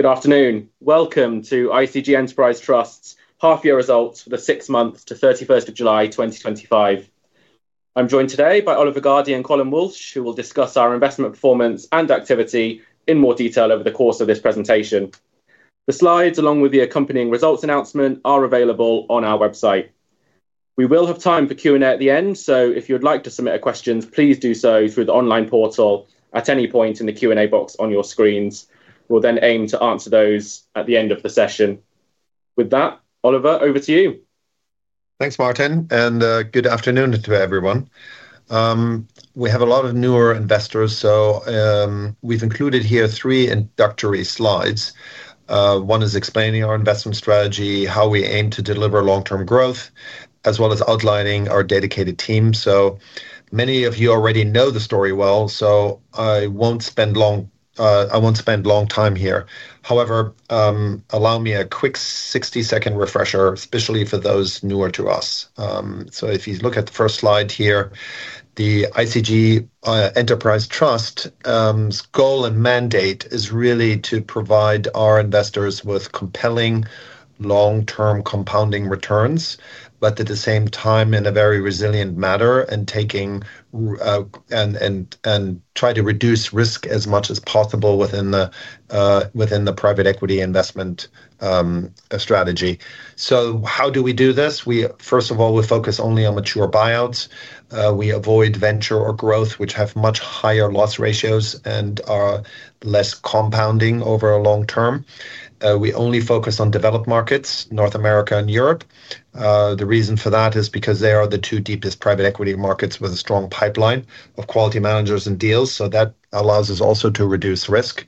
Good afternoon. Welcome to ICG Enterprise Trust's half-year results for the six months to July 31st, 2025. I'm joined today by Oliver Gardey and Colm Walsh, who will discuss our investment performance and activity in more detail over the course of this presentation. The slides, along with the accompanying results announcement, are available on our website. We will have time for Q&A at the end. If you'd like to submit a question, please do so through the online portal at any point in the Q&A box on your screens. We'll then aim to answer those at the end of the session. With that, Oliver, over to you. Thanks, Martin, and good afternoon to everyone. We have a lot of newer investors, so we've included here three introductory slides. One is explaining our investment strategy, how we aim to deliver long-term growth, as well as outlining our dedicated team. Many of you already know the story well, so I won't spend a long time here. However, allow me a quick 60-second refresher, especially for those newer to us. If you look at the first slide here, the ICG Enterprise Trust's goal and mandate is really to provide our investors with compelling long-term compounding returns, but at the same time in a very resilient manner and try to reduce risk as much as possible within the private equity investment strategy. How do we do this? First of all, we focus only on mature buyouts. We avoid venture or growth, which have much higher loss ratios and are less compounding over a long term. We only focus on developed markets, North America and Europe. The reason for that is because they are the two deepest private equity markets with a strong pipeline of quality managers and deals, so that allows us also to reduce risk.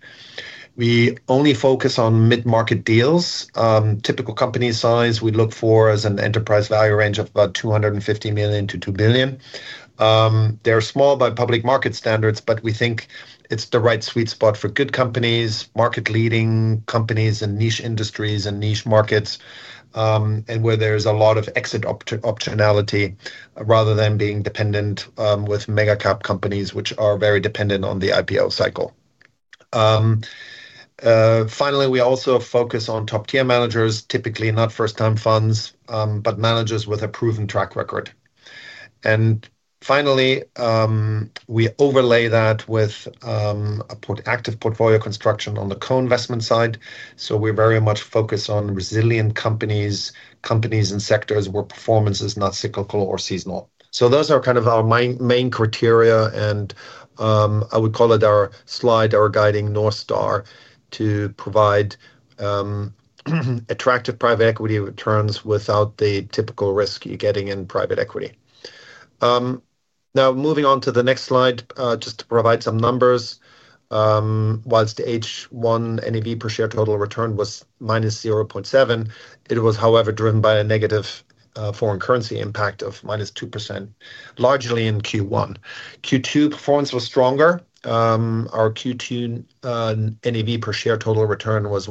We only focus on mid-market deals. Typical company size we look for is an enterprise value range of about 250 million-2 billion. They're small by public market standards, but we think it's the right sweet spot for good companies, market-leading companies in niche industries and niche markets, and where there's a lot of exit optionality rather than being dependent with mega-cap companies, which are very dependent on the IPO cycle. Finally, we also focus on top-tier managers, typically not first-time funds, but managers with a proven track record. Finally, we overlay that with active portfolio construction on the co-investment side. We're very much focused on resilient companies, companies and sectors where performance is not cyclical or seasonal. Those are kind of our main criteria, and I would call it our slide, our guiding North Star, to provide attractive private equity returns without the typical risk you're getting in private equity. Now, moving on to the next slide, just to provide some numbers, whilst the H1 NAV per share total return was -0.7%, it was, however, driven by a negative foreign currency impact of -2%, largely in Q1. Q2 performance was stronger. Our Q2 NAV per share total return was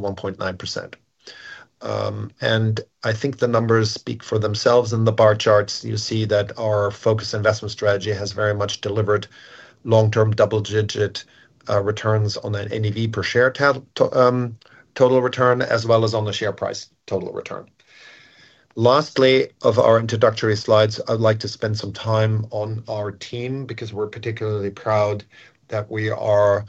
1.9%. I think the numbers speak for themselves in the bar charts. You see that our focused investment strategy has very much delivered long-term double-digit returns on that NAV per share total return, as well as on the share price total return. Lastly, of our introductory slides, I'd like to spend some time on our team because we're particularly proud that we are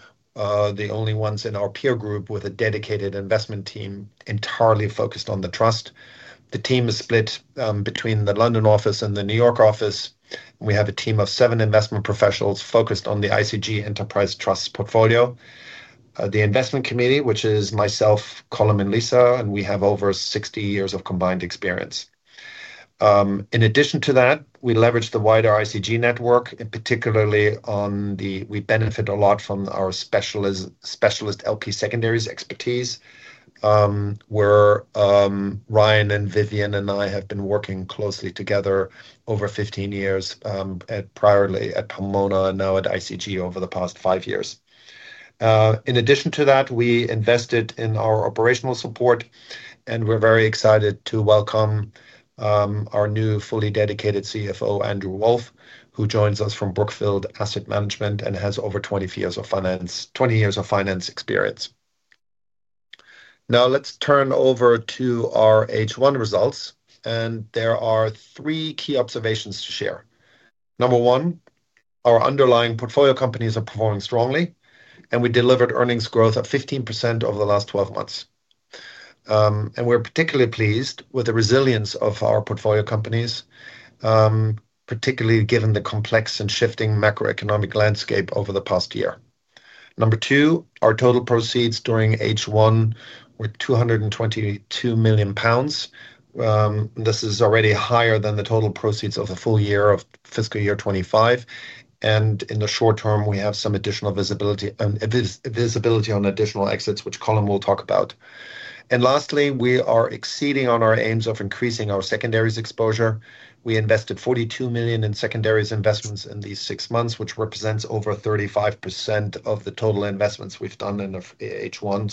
the only ones in our peer group with a dedicated investment team entirely focused on the trust. The team is split between the London office and the New York office. We have a team of seven investment professionals focused on the ICG Enterprise Trust's portfolio. The investment committee, which is myself, Colm, and Liza, and we have over 60 years of combined experience. In addition to that, we leverage the wider ICG network, particularly on the we benefit a lot from our specialist LP secondaries expertise, where Ryan, Vivian, and I have been working closely together over 15 years, priorly at Pomona and now at ICG over the past five years. In addition to that, we invested in our operational support, and we're very excited to welcome our new fully dedicated CFO, Andrew Wolff, who joins us from Brookfield Asset Management and has over 20 years of finance experience. Now, let's turn over to our H1 results, and there are three key observations to share. Number one, our underlying portfolio companies are performing strongly, and we delivered earnings growth at 15% over the last 12 months. We're particularly pleased with the resilience of our portfolio companies, particularly given the complex and shifting macroeconomic landscape over the past year. Number two, our total proceeds during H1 were 222 million pounds. This is already higher than the total proceeds of the full year of fiscal year 2025. In the short term, we have some additional visibility on additional exits, which Colm will talk about. Lastly, we are exceeding on our aims of increasing our secondaries exposure. We invested 42 million in secondaries investments in these six months, which represents over 35% of the total investments we've done in H1.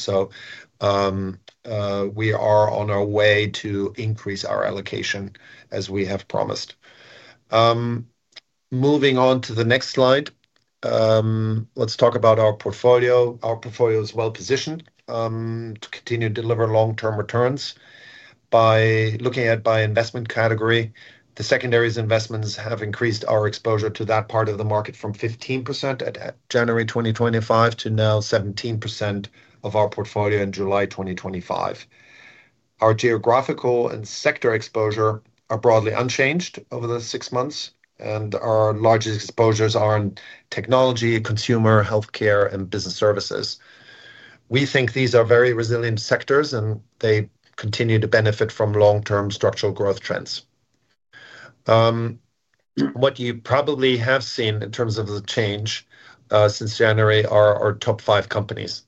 We are on our way to increase our allocation as we have promised. Moving on to the next slide, let's talk about our portfolio. Our portfolio is well positioned to continue to deliver long-term returns. By looking at it by investment category, the secondaries investments have increased our exposure to that part of the market from 15% at January 2025 to now 17% of our portfolio in July 2025. Our geographical and sector exposure are broadly unchanged over the six months, and our largest exposures are in technology, consumer healthcare, and business services. We think these are very resilient sectors, and they continue to benefit from long-term structural growth trends. What you probably have seen in terms of the change since January are our top five companies.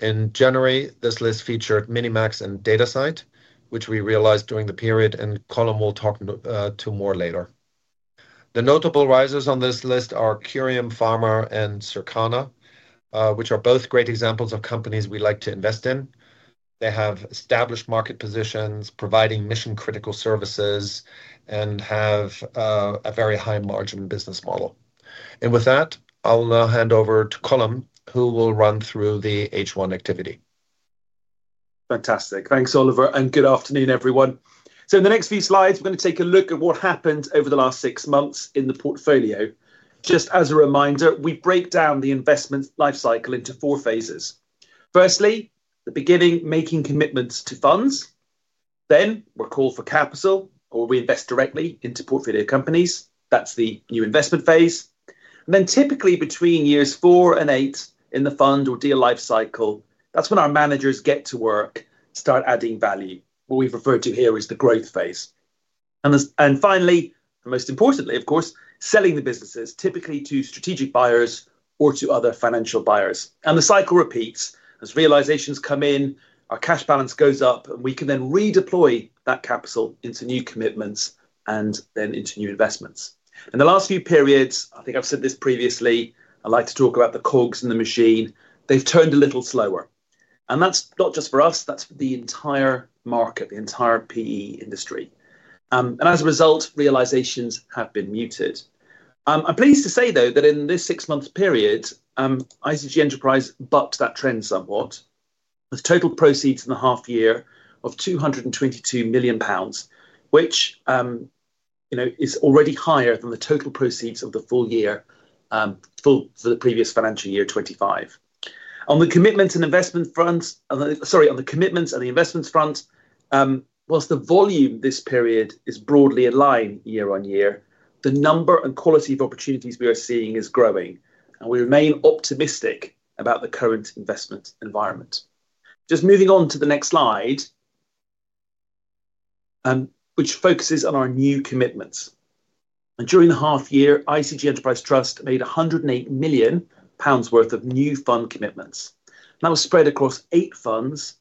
In January, this list featured Minimax and Datasite, which we realized during the period, and Colm will talk to more later. The notable risers on this list are Curium, Pharma, and Circana, which are both great examples of companies we like to invest in. They have established market positions, providing mission-critical services, and have a very high margin business model. With that, I'll now hand over to Colm, who will run through the H1 activity. Fantastic. Thanks, Oliver, and good afternoon, everyone. In the next few slides, we're going to take a look at what happened over the last six months in the portfolio. Just as a reminder, we break down the investment lifecycle into four phases. Firstly, the beginning, making commitments to funds. Then we're called for capital or we invest directly into portfolio companies. That's the new investment phase. Typically, between years four and eight in the fund or deal lifecycle, that's when our managers get to work, start adding value. What we've referred to here is the growth phase. Finally, and most importantly, of course, selling the businesses typically to strategic buyers or to other financial buyers. The cycle repeats as realizations come in, our cash balance goes up, and we can then redeploy that capital into new commitments and then into new investments. In the last few periods, I think I've said this previously, I like to talk about the cogs in the machine. They've turned a little slower. That's not just for us, that's for the entire market, the entire private equity industry. As a result, realizations have been muted. I'm pleased to say, though, that in this six-month period, ICG Enterprise bucked that trend somewhat. The total proceeds in the half-year of 222 million pounds, which is already higher than the total proceeds of the full year for the previous financial year 2025. On the commitments and investment fronts, whilst the volume this period is broadly aligned year on year, the number and quality of opportunities we are seeing is growing. We remain optimistic about the current investment environment. Moving on to the next slide, which focuses on our new commitments. During the half-year, ICG Enterprise Trust made 108 million pounds worth of new fund commitments. That was spread across eight funds,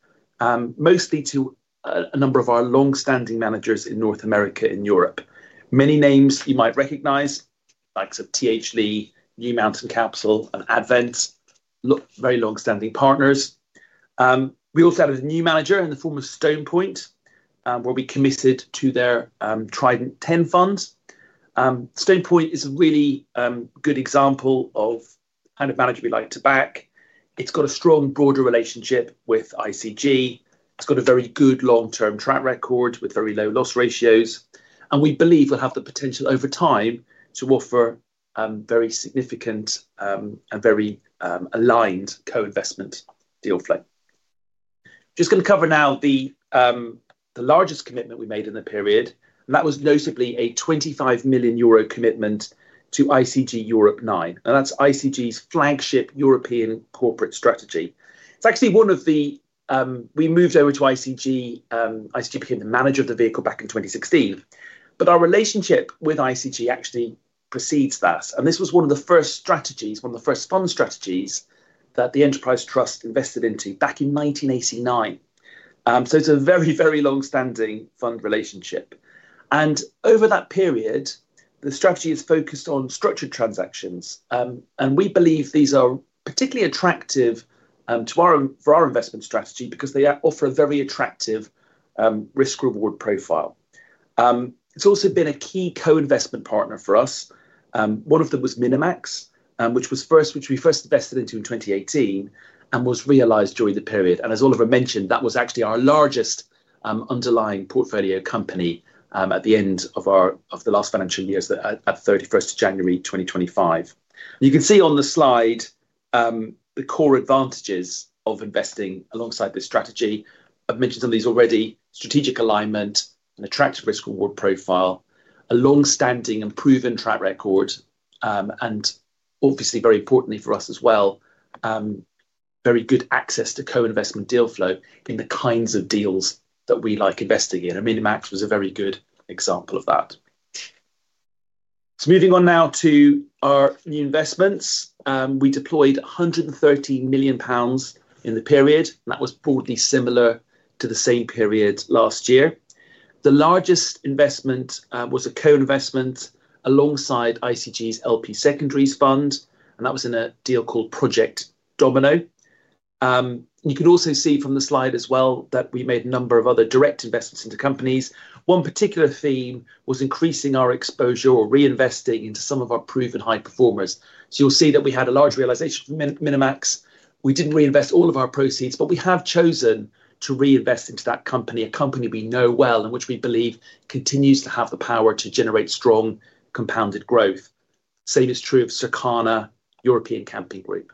mostly to a number of our longstanding managers in North America and Europe. Many names you might recognize, likes of THL, New Mountain Capital, and Advent, very longstanding partners. We also added a new manager in the form of Stone Point, where we committed to their Trident 10 fund. Stone Point is a really good example of the kind of manager we like to back. It's got a strong broader relationship with ICG. It's got a very good long-term track record with very low loss ratios. We believe we'll have the potential over time to offer very significant and very aligned co-investment deal flow. I'm going to cover now the largest commitment we made in the period. That was notably a 25 million euro commitment to ICG Europe 9. That's ICG's flagship European corporate strategy. It's actually one of the we moved over to ICG. ICG became the manager of the vehicle back in 2016. Our relationship with ICG actually precedes that. This was one of the first strategies, one of the first fund strategies that the Enterprise Trust invested into back in 1989. It's a very, very longstanding fund relationship. Over that period, the strategy has focused on structured transactions. We believe these are particularly attractive for our investment strategy because they offer a very attractive risk-reward profile. It's also been a key co-investment partner for us. One of them was Minimax, which we first invested into in 2018 and was realized during the period. As Oliver mentioned, that was actually our largest underlying portfolio company at the end of the last financial year at 31st January 2025. You can see on the slide the core advantages of investing alongside this strategy. I've mentioned some of these already: strategic alignment, an attractive risk-reward profile, a longstanding and proven track record, and obviously, very importantly for us as well, very good access to co-investment deal flow in the kinds of deals that we like investing in. Minimax was a very good example of that. Moving on now to our new investments, we deployed 113 million pounds in the period. That was broadly similar to the same period last year. The largest investment was a co-investment alongside ICG's LP Secondaries Fund. That was in a deal called Project Domino. You can also see from the slide as well that we made a number of other direct investments into companies. One particular theme was increasing our exposure or reinvesting into some of our proven high performers. You'll see that we had a large realization Minimax. We didn't reinvest all of our proceeds, but we have chosen to reinvest into that company, a company we know well and which we believe continues to have the power to generate strong compounded growth. The same is true of Circana, European Camping Group.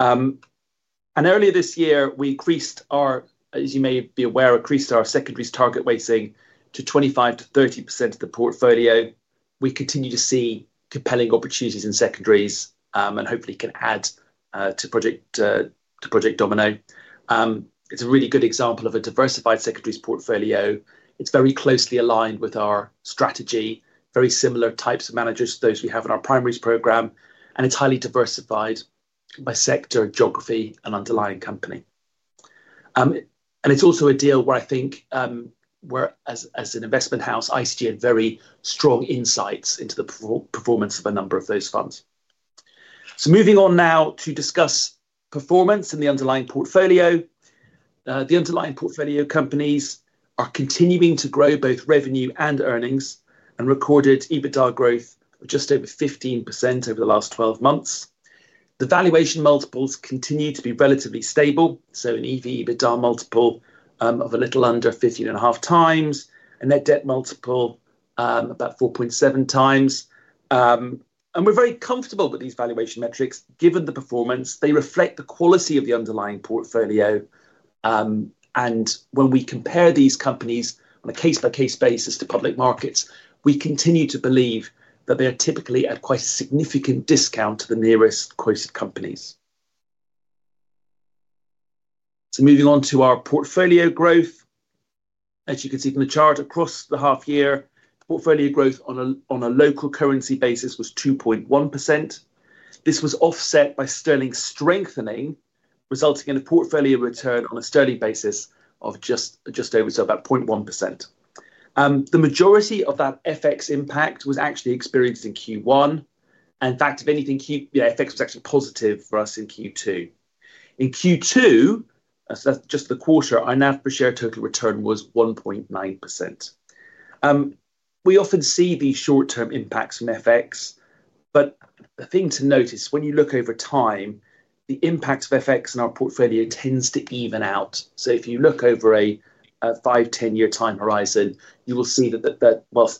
Earlier this year, we increased our, as you may be aware, increased our secondaries target weighting to 25%-30% of the portfolio. We continue to see compelling opportunities in secondaries and hopefully can add to Project Domino. It's a really good example of a diversified secondaries portfolio. It's very closely aligned with our strategy, very similar types of managers to those we have in our primaries program. It's highly diversified by sector, geography, and underlying company. It's also a deal where I think, as an investment house, ICG had very strong insights into the performance of a number of those funds. Moving on now to discuss performance and the underlying portfolio. The underlying portfolio companies are continuing to grow both revenue and earnings and recorded EBITDA growth of just over 15% over the last 12 months. The valuation multiples continue to be relatively stable, with an EV/EBITDA multiple of a little under 15.5x and net debt multiple about 4.7x. We're very comfortable with these valuation metrics given the performance. They reflect the quality of the underlying portfolio. When we compare these companies on a case-by-case basis to public markets, we continue to believe that they are typically at quite a significant discount to the nearest closest companies. Moving on to our portfolio growth, as you can see from the chart across the half-year, portfolio growth on a local currency basis was 2.1%. This was offset by sterling strengthening, resulting in a portfolio return on a sterling basis of just over, so about 0.1%. The majority of that FX impact was actually experienced in Q1. In fact, FX was actually positive for us in Q2. In Q2, that's just the quarter, our NAV per share total return was 1.9%. We often see these short-term impacts from FX, but the thing to notice when you look over time, the impact of FX in our portfolio tends to even out. If you look over a five, ten-year time horizon, you will see that while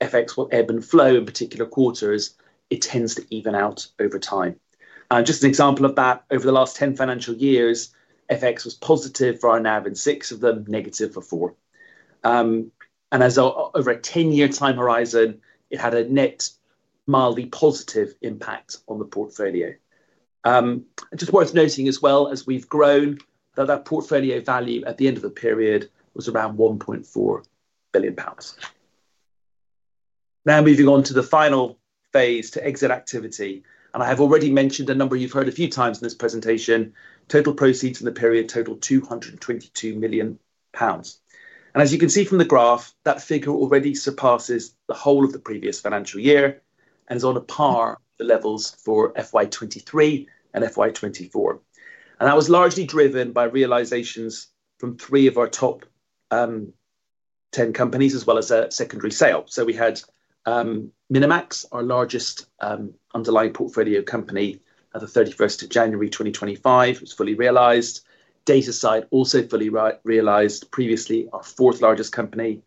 FX will ebb and flow in particular quarters, it tends to even out over time. Just an example of that, over the last 10 financial years, FX was positive for our NAV in six of them, negative for four. Over a ten-year time horizon, it had a net mildly positive impact on the portfolio. It's just worth noting as well as we've grown that our portfolio value at the end of the period was around 1.4 billion pounds. Now moving on to the final phase, to exit activity. I have already mentioned a number you've heard a few times in this presentation. Total proceeds in the period total 222 million pounds. As you can see from the graph, that figure already surpasses the whole of the previous financial year and is on a par with levels for FY 2023 and FY 2024. That was largely driven by realizations from three of our top 10 companies, as well as a secondary sale. We had Minimax, our largest underlying portfolio company at January 2025, fully realized. Datasite also fully realized, previously our fourth largest company,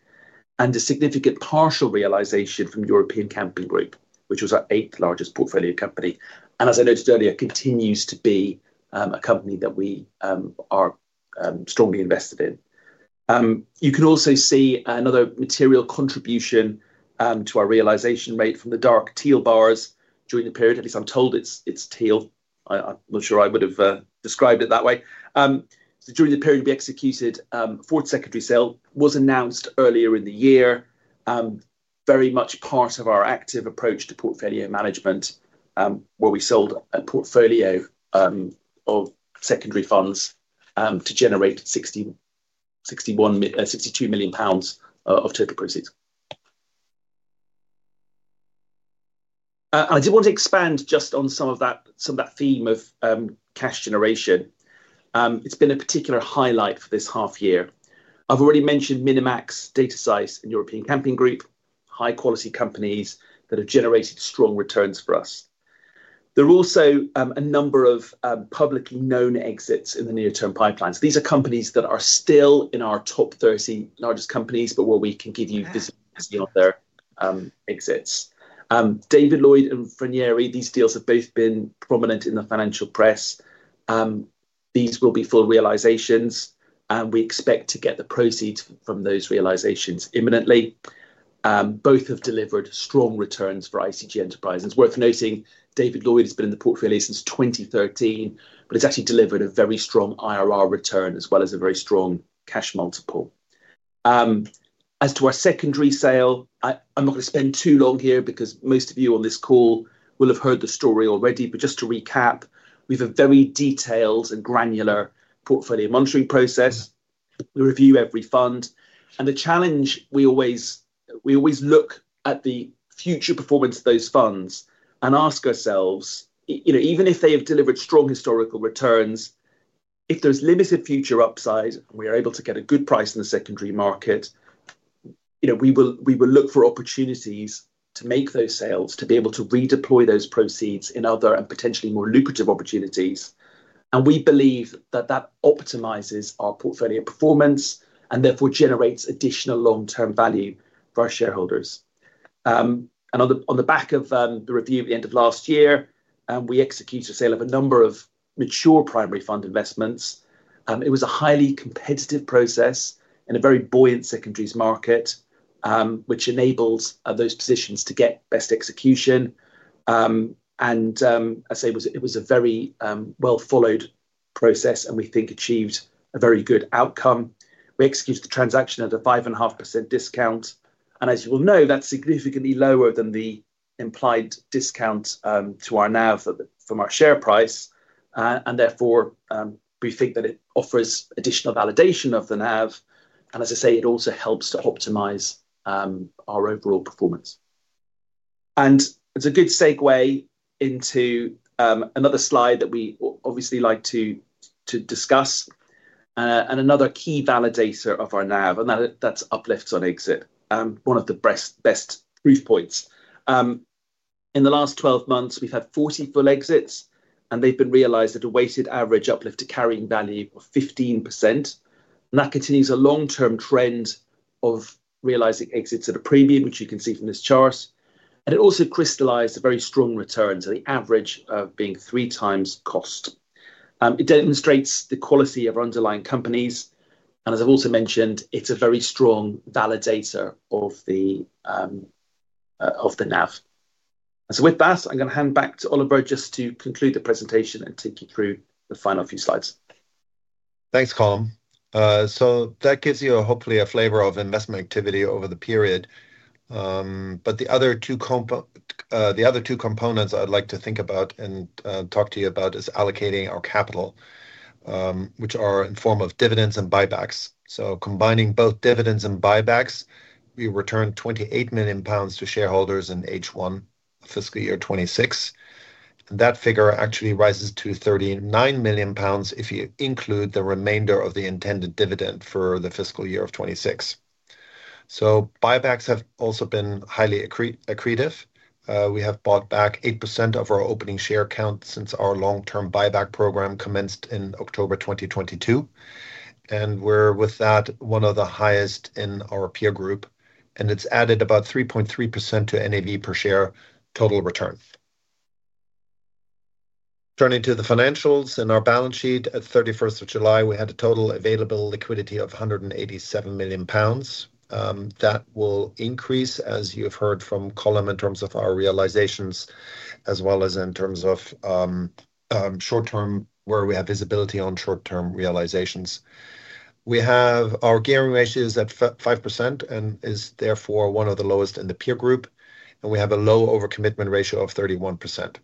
and a significant partial realization from European Camping Group, which was our eighth largest portfolio company. As I noted earlier, it continues to be a company that we are strongly invested in. You can also see another material contribution to our realization rate from the dark teal bars during the period. At least I'm told it's teal. I'm not sure I would have described it that way. During the period, we executed a fourth secondary sale, which was announced earlier in the year, very much part of our active approach to portfolio management, where we sold a portfolio of secondary funds to generate 62 million pounds of total proceeds. I did want to expand just on some of that theme of cash generation. It's been a particular highlight for this half-year. I've already mentioned Minimax, Datasite, and European Camping Group, high-quality companies that have generated strong returns for us. There are also a number of publicly known exits in the near-term pipeline. These are companies that are still in our top 30 largest companies, but where we can give you visibility on their exits. David Lloyd and Vernieri, these deals have both been prominent in the financial press. These will be full realizations, and we expect to get the proceeds from those realizations imminently. Both have delivered strong returns for ICG Enterprise. It's worth noting David Lloyd has been in the portfolio since 2013, but has actually delivered a very strong IRR return as well as a very strong cash multiple. As to our secondary sale, I'm not going to spend too long here because most of you on this call will have heard the story already. Just to recap, we have a very detailed and granular portfolio monitoring process. We review every fund. The challenge we always look at is the future performance of those funds and ask ourselves, you know, even if they have delivered strong historical returns, if there's limited future upside and we are able to get a good price in the secondary market, you know, we will look for opportunities to make those sales, to be able to redeploy those proceeds in other and potentially more lucrative opportunities. We believe that that optimizes our portfolio performance and therefore generates additional long-term value for our shareholders. On the back of the review at the end of last year, we executed a sale of a number of mature primary fund investments. It was a highly competitive process in a very buoyant secondaries market, which enabled those positions to get best execution. I'd say it was a very well-followed process and we think achieved a very good outcome. We executed the transaction at a 5.5% discount. As you will know, that's significantly lower than the implied discount to our NAV from our share price. We think that it offers additional validation of the NAV. It also helps to optimize our overall performance. It's a good segue into another slide that we obviously like to discuss and another key validator of our NAV, and that's uplifts on exit, one of the best proof points. In the last 12 months, we've had 40 full exits, and they've been realized at a weighted average uplift to carrying value of 15%. That continues a long-term trend of realizing exits at a premium, which you can see from this chart. It also crystallized a very strong return, the average being three times cost. It demonstrates the quality of our underlying companies. As I've also mentioned, it's a very strong validator of the NAV. With that, I'm going to hand back to Oliver just to conclude the presentation and take you through the final few slides. Thanks, Colm. That gives you hopefully a flavor of investment activity over the period. The other two components I'd like to think about and talk to you about is allocating our capital, which are in the form of dividends and buybacks. Combining both dividends and buybacks, we returned 28 million pounds to shareholders in H1, fiscal year 2026. That figure actually rises to 39 million pounds if you include the remainder of the intended dividend for the fiscal year 2026. Buybacks have also been highly accretive. We have bought back 8% of our opening share count since our long-term buyback program commenced in October 2022. With that, we are one of the highest in our peer group. It's added about 3.3% to NAV per share total return. Turning to the financials in our balance sheet, at 31st July, we had a total available liquidity of 187 million pounds. That will increase, as you've heard from Colm, in terms of our realizations, as well as in terms of short-term, where we have visibility on short-term realizations. We have our gearing ratios at 5% and are therefore one of the lowest in the peer group. We have a low overcommitment ratio of 31%.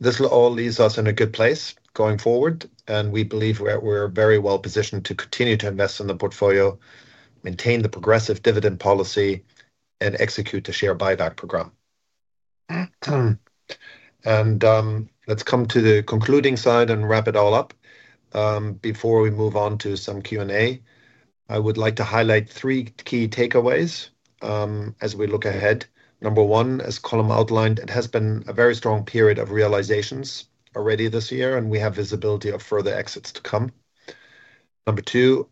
This will all leave us in a good place going forward. We believe we're very well positioned to continue to invest in the portfolio, maintain the progressive dividend policy, and execute the share buyback program. Let's come to the concluding side and wrap it all up. Before we move on to some Q&A, I would like to highlight three key takeaways as we look ahead. Number one, as Colm outlined, it has been a very strong period of realizations already this year, and we have visibility of further exits to come. Number two,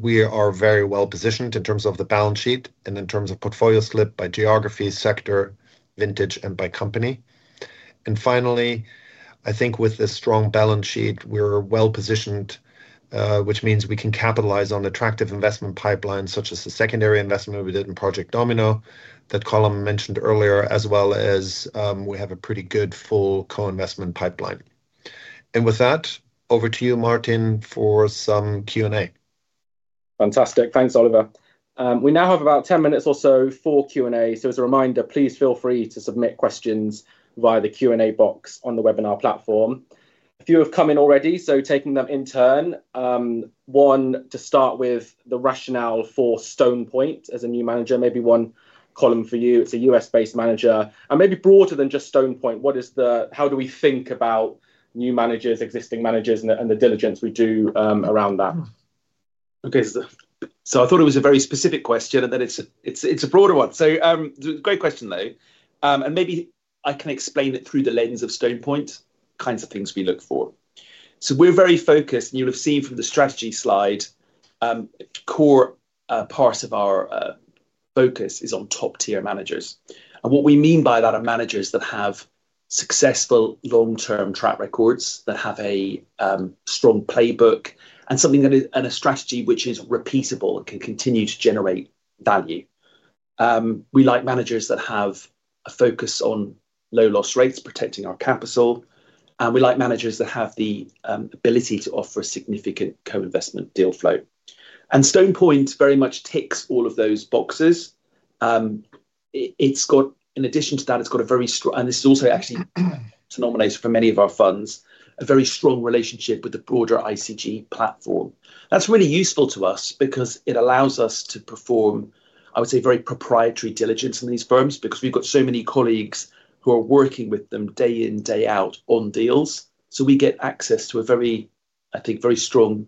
we are very well positioned in terms of the balance sheet and in terms of portfolio split by geography, sector, vintage, and by company. Finally, I think with this strong balance sheet, we're well positioned, which means we can capitalize on attractive investment pipelines such as the secondary investment we did in Project Domino that Colm mentioned earlier, as well as we have a pretty good full co-investment pipeline. With that, over to you, Martin, for some Q&A. Fantastic. Thanks, Oliver. We now have about 10 minutes or so for Q&A. As a reminder, please feel free to submit questions via the Q&A box on the webinar platform. A few have come in already, so taking them in turn. One, to start with, the rationale for Stone Point as a new manager. Maybe one, Colm, for you. It's a U.S.-based manager. Maybe broader than just Stone Point. How do we think about new managers, existing managers, and the diligence we do around that? Okay. I thought it was a very specific question, and then it's a broader one. Great question, though. Maybe I can explain it through the lens of Stone Point. Kinds of things we look for. We're very focused, and you'll have seen from the strategy slide, a core part of our focus is on top-tier managers. What we mean by that are managers that have successful long-term track records, that have a strong playbook, and something that is a strategy which is repeatable and can continue to generate value. We like managers that have a focus on low loss rates, protecting our capital. We like managers that have the ability to offer a significant co-investment deal flow. Stone Point very much ticks all of those boxes. In addition to that, it's got a very strong, and this is also actually a denominator for many of our funds, a very strong relationship with the broader ICG platform. That's really useful to us because it allows us to perform, I would say, very proprietary diligence in these firms because we've got so many colleagues who are working with them day in, day out on deals. We get access to a very, I think, very strong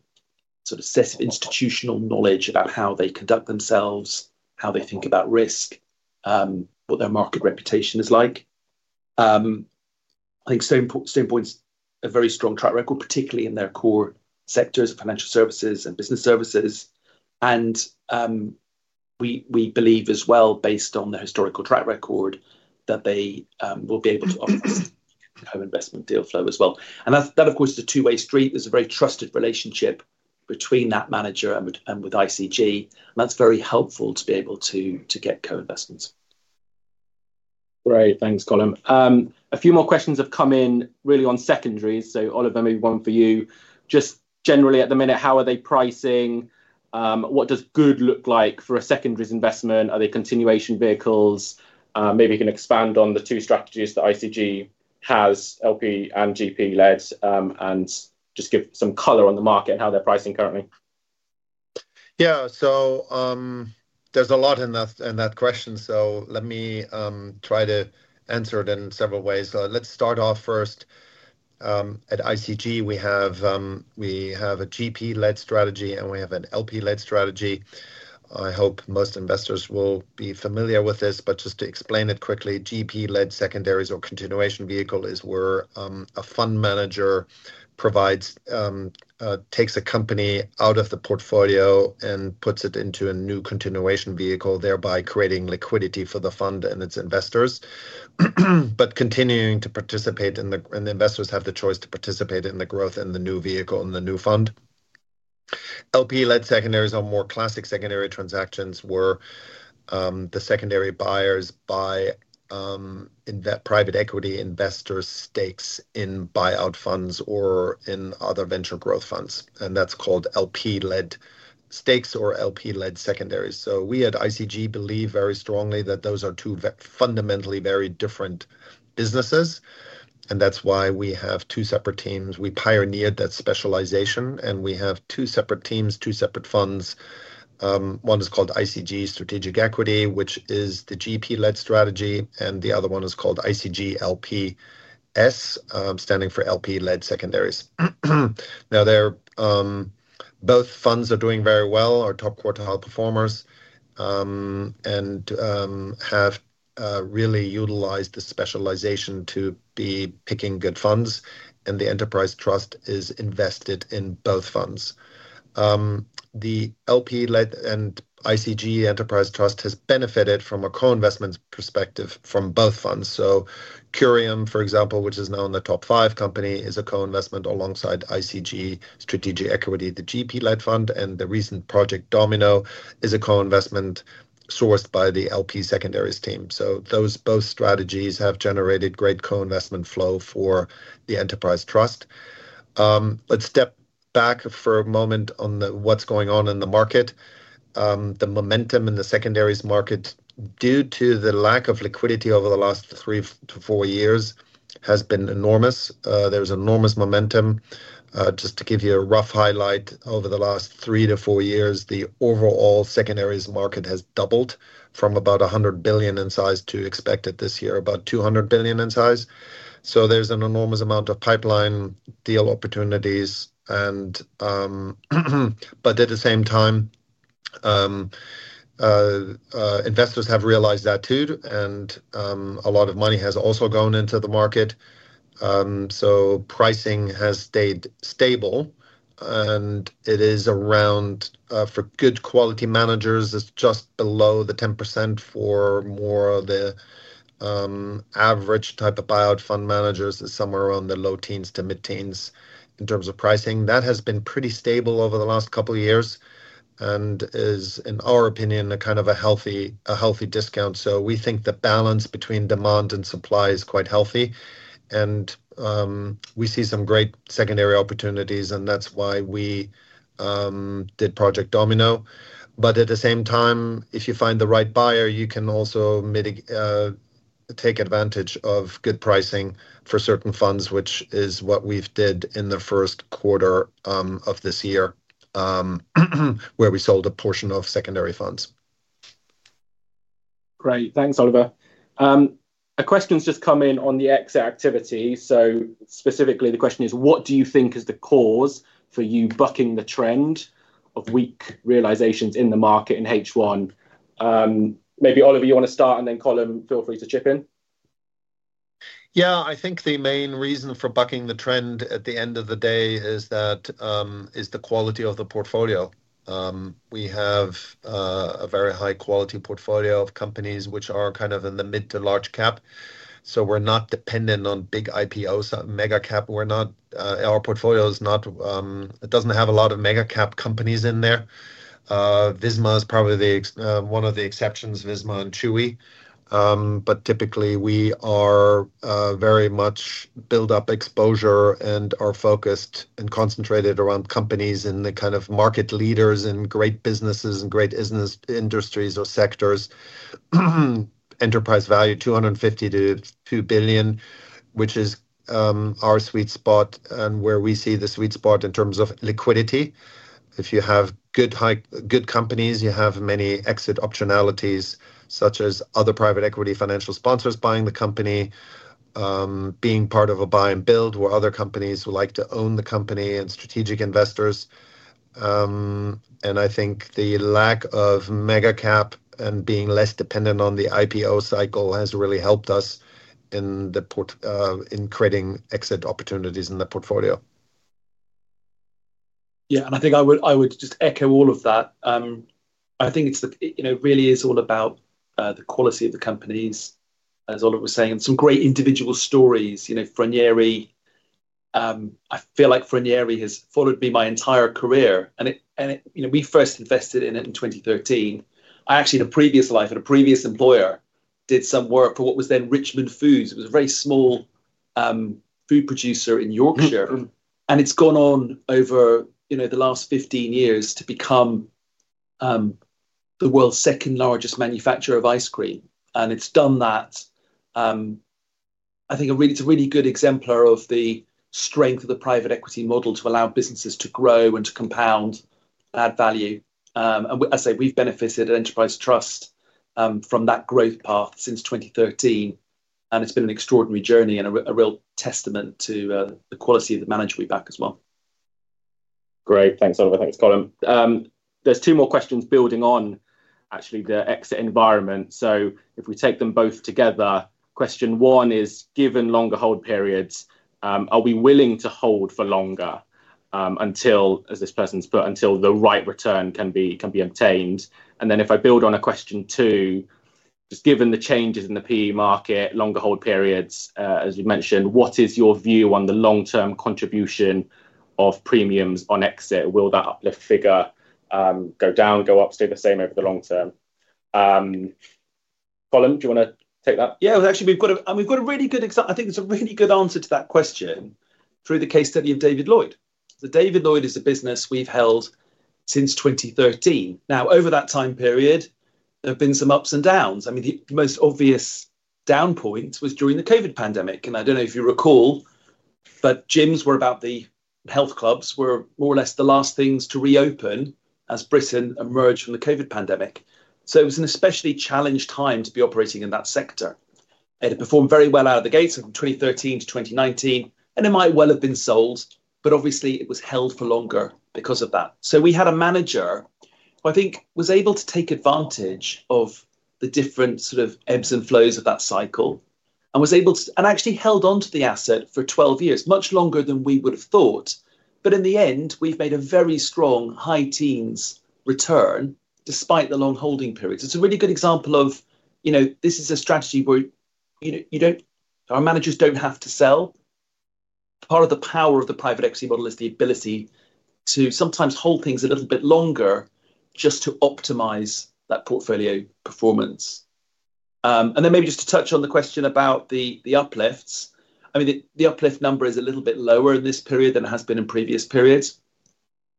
sort of set of institutional knowledge about how they conduct themselves, how they think about risk, what their market reputation is like. I think Stone Point's a very strong track record, particularly in their core sectors of financial services and business services. We believe as well, based on the historical track record, that they will be able to offer us a co-investment deal flow as well. That, of course, is a two-way street. There's a very trusted relationship between that manager and with ICG. That's very helpful to be able to get co-investments. Right. Thanks, Colm. A few more questions have come in really on secondaries. Oliver, maybe one for you. Just generally at the minute, how are they pricing? What does good look like for a secondaries investment? Are they continuation vehicles? Maybe you can expand on the two strategies that ICG has, LP and GP-led, and just give some color on the market and how they're pricing currently. Yeah. There's a lot in that question. Let me try to answer it in several ways. Let's start off first. At ICG, we have a GP-led strategy and we have an LP-led strategy. I hope most investors will be familiar with this, but just to explain it quickly, GP-led secondaries or continuation vehicle is where a fund manager takes a company out of the portfolio and puts it into a new continuation vehicle, thereby creating liquidity for the fund and its investors, but continuing to participate, and the investors have the choice to participate in the growth in the new vehicle and the new fund. LP-led secondaries are more classic secondary transactions where the secondary buyers buy private equity investors' stakes in buyout funds or in other venture growth funds. That's called LP-led stakes or LP-led secondaries. At ICG, we believe very strongly that those are two fundamentally very different businesses. That's why we have two separate teams. We pioneered that specialization, and we have two separate teams, two separate funds. One is called ICG Strategic Equity, which is the GP-led strategy, and the other one is called ICG LPS, standing for LP-led secondaries. Both funds are doing very well, are top quartile high performers, and have really utilized the specialization to be picking good funds. The Enterprise Trust is invested in both funds. The LP-led and ICG Enterprise Trust has benefited from a co-investment perspective from both funds. Curium, for example, which is now in the top five company, is a co-investment alongside ICG Strategic Equity, the GP-led fund. The recent Project Domino is a co-investment sourced by the LP Secondaries team. Those both strategies have generated great co-investment flow for the Enterprise Trust. Let's step back for a moment on what's going on in the market. The momentum in the secondaries market, due to the lack of liquidity over the last three to four years, has been enormous. There's enormous momentum. Just to give you a rough highlight, over the last three to four years, the overall secondaries market has doubled from about 100 billion in size to expected this year, about 200 billion in size. There's an enormous amount of pipeline deal opportunities. At the same time, investors have realized that too, and a lot of money has also gone into the market. Pricing has stayed stable. It is around, for good quality managers, it's just below the 10%. For more of the average type of buyout fund managers, it's somewhere around the low teens to mid-teens in terms of pricing. That has been pretty stable over the last couple of years and is, in our opinion, a kind of a healthy discount. We think the balance between demand and supply is quite healthy. We see some great secondary opportunities, which is why we did Project Domino. At the same time, if you find the right buyer, you can also take advantage of good pricing for certain funds, which is what we did in the first quarter of this year, where we sold a portion of secondary funds. Great. Thanks, Oliver. A question's just come in on the exit activity. Specifically, the question is, what do you think is the cause for you bucking the trend of weak realizations in the market in H1? Maybe, Oliver, you want to start, and then Colm, feel free to chip in. I think the main reason for bucking the trend at the end of the day is the quality of the portfolio. We have a very high-quality portfolio of companies which are kind of in the mid to large cap. We're not dependent on big IPOs, mega-cap. Our portfolio doesn't have a lot of mega-cap companies in there. Visma is probably one of the exceptions, Visma and Chewy. Typically, we are very much built up exposure and are focused and concentrated around companies and the kind of market leaders and great businesses and great industries or sectors. Enterprise value, 2 billion-5 billion, which is our sweet spot and where we see the sweet spot in terms of liquidity. If you have good companies, you have many exit optionalities, such as other private equity financial sponsors buying the company, being part of a buy and build where other companies would like to own the company, and strategic investors. I think the lack of mega-cap and being less dependent on the IPO cycle has really helped us in creating exit opportunities in the portfolio. Yeah. I think I would just echo all of that. I think it really is all about the quality of the companies, as Oliver was saying, and some great individual stories. Vernieri, I feel like Vernieri has followed me my entire career. We first invested in it in 2013. I actually, in a previous life, at a previous employer, did some work for what was then Richmond Foods. It was a very small food producer in Yorkshire. It's gone on over the last 15 years to become the world's second largest manufacturer of ice cream. It's done that. I think it's a really good exemplar of the strength of the private equity model to allow businesses to grow and to compound and add value. We've benefited at Enterprise Trust from that growth path since 2013. It's been an extraordinary journey and a real testament to the quality of the manager we back as well. Great. Thanks, Oliver. Thanks, Colm. There are two more questions building on the exit environment. If we take them both together, question one is, given longer hold periods, are we willing to hold for longer until, as this person's put, until the right return can be obtained? If I build on question two, just given the changes in the private equity market, longer hold periods, as you mentioned, what is your view on the long-term contribution of premiums on exit? Will that uplift figure go down, go up, or stay the same over the long term? Colm, do you want to take that? Yeah. Actually, we've got a really good example. I think it's a really good answer to that question through the case study of David Lloyd. David Lloyd is a business we've held since 2013. Over that time period, there have been some ups and downs. I mean, the most obvious down point was during the COVID pandemic. I don't know if you recall, but gyms were about the health clubs were more or less the last things to reopen as Britain emerged from the COVID pandemic. It was an especially challenged time to be operating in that sector. It had performed very well out of the gates from 2013 to 2019. It might well have been sold, but obviously, it was held for longer because of that. We had a manager who I think was able to take advantage of the different sort of ebbs and flows of that cycle and was able to actually hold onto the asset for 12 years, much longer than we would have thought. In the end, we've made a very strong high-teens return despite the long holding periods. It's a really good example of, you know, this is a strategy where you don't, our managers don't have to sell. Part of the power of the private equity model is the ability to sometimes hold things a little bit longer just to optimize that portfolio performance. Maybe just to touch on the question about the uplifts. The uplift number is a little bit lower in this period than it has been in previous periods.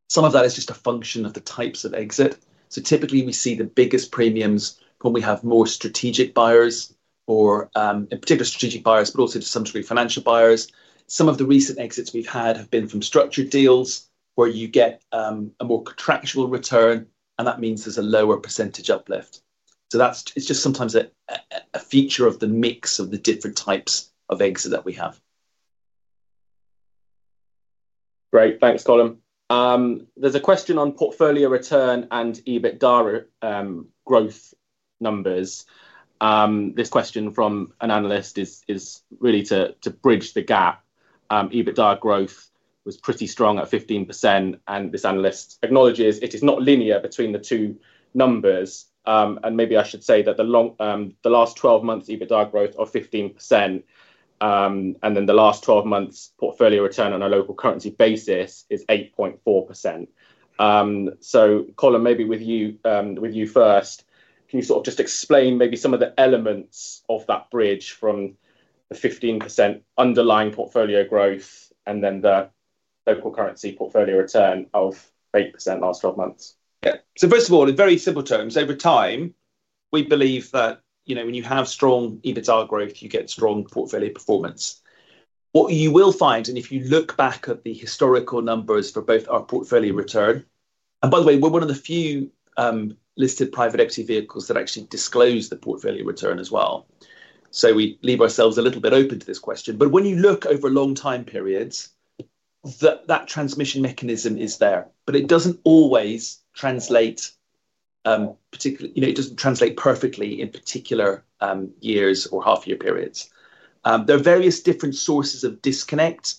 Some of that is just a function of the types of exit. Typically, we see the biggest premiums when we have more strategic buyers, or in particular, strategic buyers, but also to some degree financial buyers. Some of the recent exits we've had have been from structured deals where you get a more contractual return, and that means there's a lower percentage uplift. That's just sometimes a feature of the mix of the different types of exit that we have. Great. Thanks, Colm. There's a question on portfolio return and EBITDA growth numbers. This question from an analyst is really to bridge the gap. EBITDA growth was pretty strong at 15%. This analyst acknowledges it is not linear between the two numbers. I should say that the last 12 months' EBITDA growth of 15% and then the last 12 months' portfolio return on a local currency basis is 8.4%. Colm, maybe with you first, can you sort of just explain maybe some of the elements of that bridge from the 15% underlying portfolio growth and then the local currency portfolio return of 8% last 12 months? Yeah. First of all, in very simple terms, over time, we believe that when you have strong EBITDA growth, you get strong portfolio performance. What you will find, if you look back at the historical numbers for both our portfolio return, and by the way, we're one of the few listed private equity vehicles that actually disclose the portfolio return as well. We leave ourselves a little bit open to this question. When you look over long time periods, that transmission mechanism is there. It doesn't always translate, particularly, you know, it doesn't translate perfectly in particular years or half-year periods. There are various different sources of disconnect.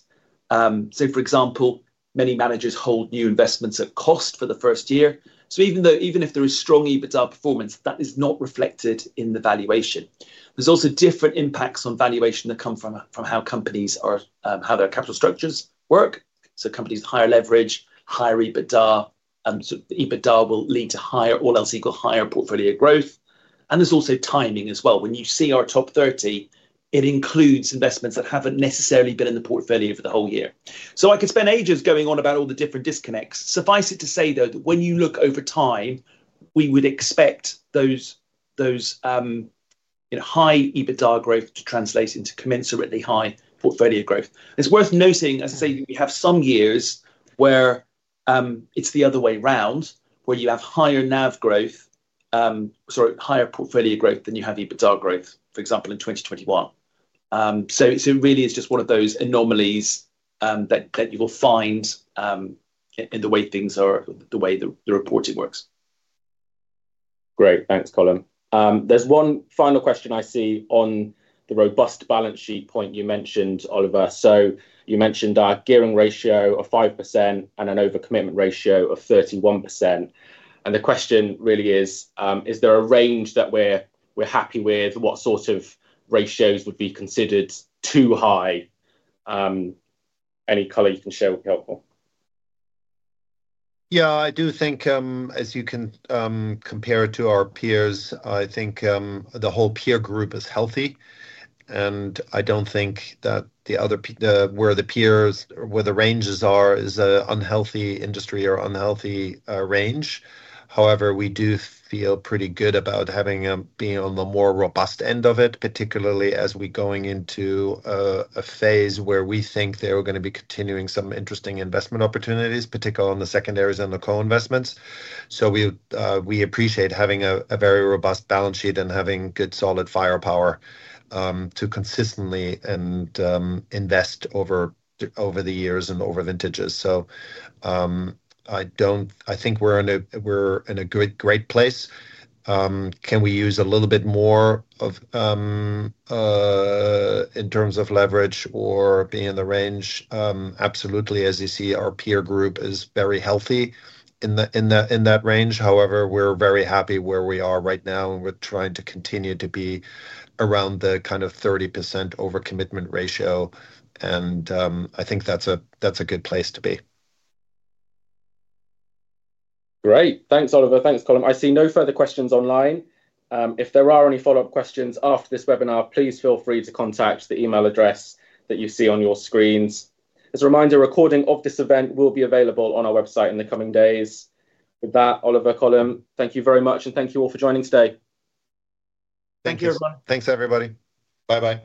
For example, many managers hold new investments at cost for the first year. Even if there is strong EBITDA performance, that is not reflected in the valuation. There are also different impacts on valuation that come from how companies are, how their capital structures work. Companies with higher leverage, higher EBITDA, so EBITDA will lead to higher, all else equal, higher portfolio growth. There is also timing as well. When you see our top 30, it includes investments that haven't necessarily been in the portfolio for the whole year. I could spend ages going on about all the different disconnects. Suffice it to say, though, that when you look over time, we would expect those high EBITDA growth to translate into commensurately high portfolio growth. It's worth noting, as I say, we have some years where it's the other way around, where you have higher NAV growth, sorry, higher portfolio growth than you have EBITDA growth, for example, in 2021. It really is just one of those anomalies that you will find in the way things are, the way the reporting works. Great. Thanks, Colm. There's one final question I see on the robust balance sheet point you mentioned, Oliver. You mentioned a gearing ratio of 5% and an overcommitment ratio of 31%. The question really is, is there a range that we're happy with? What sort of ratios would be considered too high? Any color you can share would be helpful. I do think, as you can compare to our peers, the whole peer group is healthy. I don't think that where the peers, where the ranges are, is an unhealthy industry or unhealthy range. However, we do feel pretty good about having been on the more robust end of it, particularly as we're going into a phase where we think there are going to be continuing some interesting investment opportunities, particularly on the secondaries and the co-investments. We appreciate having a very robust balance sheet and having good solid firepower to consistently invest over the years and over vintages. I think we're in a great place. Can we use a little bit more in terms of leverage or being in the range? Absolutely. As you see, our peer group is very healthy in that range. However, we're very happy where we are right now. We're trying to continue to be around the kind of 30% overcommitment ratio, and I think that's a good place to be. Great. Thanks, Oliver. Thanks, Colm. I see no further questions online. If there are any follow-up questions after this webinar, please feel free to contact the email address that you see on your screens. As a reminder, a recording of this event will be available on our website in the coming days. With that, Oliver, Colm, thank you very much. Thank you all for joining today. Thank you, everyone. Thanks, everybody. Bye-bye.